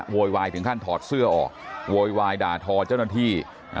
โวยวายถึงขั้นถอดเสื้อออกโวยวายด่าทอเจ้าหน้าที่